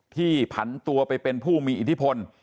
ผันตัวไปเป็นผู้มีอิทธิพล